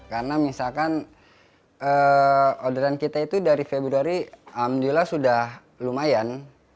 karena misalkan orderan kita itu dari februari alhamdulillah sudah lumayan